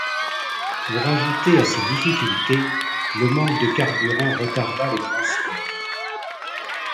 Pour ajouter à ces difficultés, le manque de carburant retarda les transports.